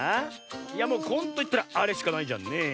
いやもう「こん」といったらあれしかないじゃんねえ。